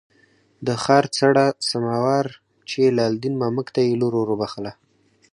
د ښار څړه سما وارچي لال دین مامک ته یې لور ور وبخښله.